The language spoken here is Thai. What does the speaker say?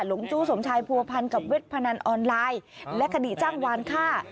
หลงจูสมชายภูพันธ์กับเวทพนันออนไลน์และคดีจ้างวานค่า